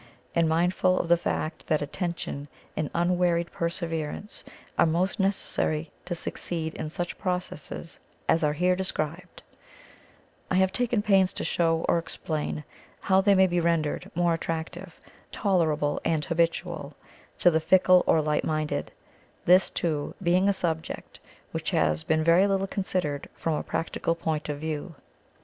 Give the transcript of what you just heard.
And, mindful of the fact that Attention and Unwearied Perseverance are most necessary to succeed in such processes as are here described, I have taken pains to show or explain how they may be rendered more attractive, tolerable, and habitual to the fickle or light minded; this, too, being a subject which has been very little considered from a practical point of view.